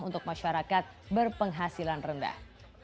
untuk masyarakat berpenghasilan rendah